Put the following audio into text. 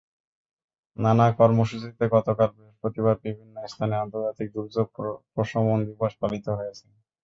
নানা কর্মসূচিতে গতকাল বৃহস্পতিবার বিভিন্ন স্থানে আন্তর্জাতিক দুর্যোগ প্রশমন দিবস পালিত হয়েছে।